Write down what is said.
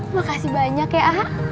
makasih banyak ya a